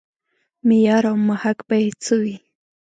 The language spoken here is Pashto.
معیار او محک به یې څه وي.